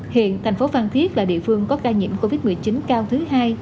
hiện thành phố phan thiết là địa phương có ca nhiễm covid một mươi chín cao thứ hai